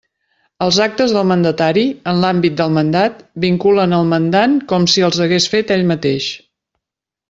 Els actes del mandatari, en l'àmbit del mandat, vinculen el mandant com si els hagués fet ell mateix.